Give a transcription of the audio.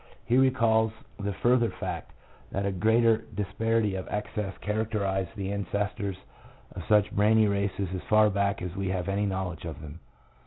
He recalls the further fact that a greater disparity of excess charac terized the ancestors of such brainy races as far back as we have any knowledge of them.